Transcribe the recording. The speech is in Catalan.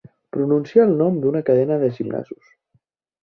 Pronunciar el nom d'una cadena de gimnasos.